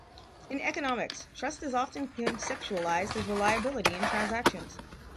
In economics, trust is often conceptualized as reliability in transactions.